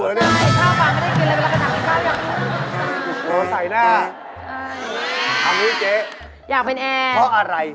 เอางี้เจ๊เพราะอะไรอยากเป็นแอร์